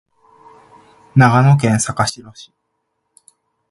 長野県坂城町